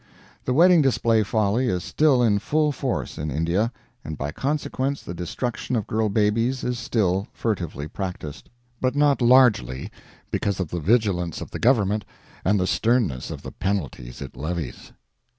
The wedding display folly is still in full force in India, and by consequence the destruction of girl babies is still furtively practiced; but not largely, because of the vigilance of the government and the sternness of the penalties it levies.